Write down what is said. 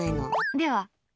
では。